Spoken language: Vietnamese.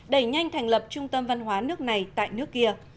đẩy nhanh thành lập trung tâm văn hóa nước này tại nước kia